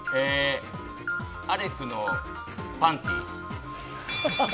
アレクのパンティー。